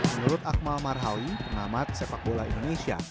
menurut akmal marhali pengamat sepak bola indonesia